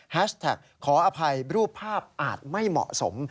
แท็กขออภัยรูปภาพอาจไม่เหมาะสม